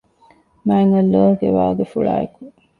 މާތް ﷲ ގެ ވާގިފުޅާއި އެކު